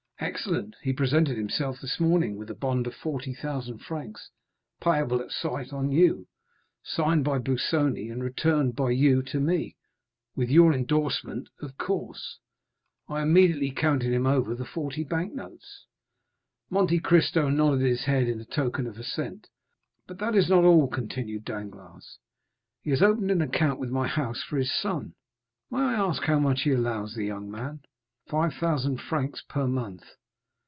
"Excellent; he presented himself this morning with a bond of 40,000 francs, payable at sight, on you, signed by Busoni, and returned by you to me, with your endorsement—of course, I immediately counted him over the forty bank notes." Monte Cristo nodded his head in token of assent. "But that is not all," continued Danglars; "he has opened an account with my house for his son." "May I ask how much he allows the young man?" "Five thousand francs per month."